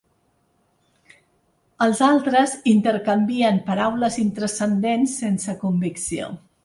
Els altres intercanvien paraules intranscendents sense convicció.